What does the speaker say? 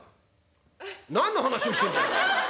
「何の話をしてんだよお前。